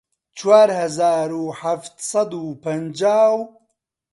چوار هەزار و حەفت سەد و پەنجاو